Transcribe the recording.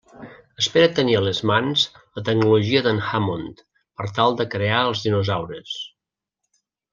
Espera tenir a les mans la tecnologia d'en Hammond per tal de crear els dinosaures.